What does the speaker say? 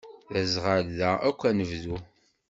D aẓɣal da akk anebdu.